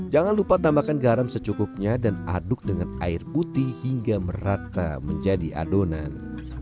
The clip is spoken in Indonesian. jangan lupa tambahkan garam secukupnya dan aduk dengan air putih hingga merata menjadi adonan